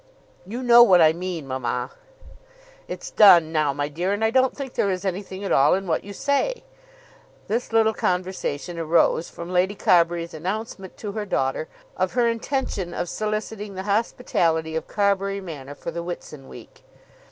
"You know what I mean, mamma." "It's done now, my dear, and I don't think there is anything at all in what you say." This little conversation arose from Lady Carbury's announcement to her daughter of her intention of soliciting the hospitality of Carbury Manor for the Whitsun week.